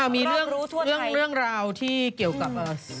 มีเรื่องราวที่เกี่ยวกับ